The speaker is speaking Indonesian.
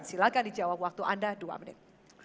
silahkan dijawab waktu anda dua menit